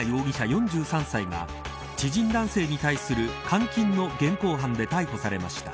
４３歳が知人男性に対する監禁の現行犯で逮捕されました。